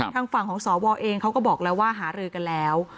ทางฝั่งของสวเองเขาก็บอกแล้วว่าหารือกันแล้ว